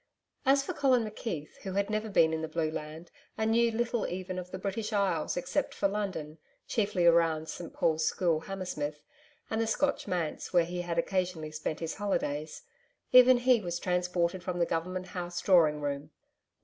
As for Colin McKeith who had never been in the Blue Land and knew little even of the British Isles except for London chiefly around St Paul's School, Hammersmith and the Scotch Manse where he had occasionally spent his holidays even he was transported from the Government House drawing room.